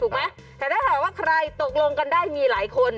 ไหมแต่ถ้าหากว่าใครตกลงกันได้มีหลายคน